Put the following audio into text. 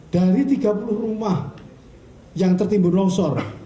dari tiga puluh rumah yang tertimbun longsor